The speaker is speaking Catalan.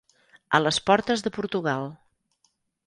A les portes de Portugal.